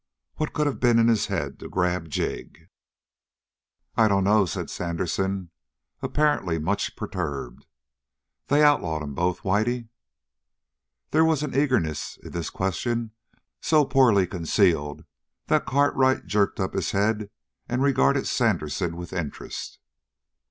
What could have been in his head to grab Jig?" "I dunno," said Sandersen, apparently much perturbed. "They outlawed 'em both, Whitey?" There was an eagerness in this question so poorly concealed that Cartwright jerked up his head and regarded Sandersen with interest.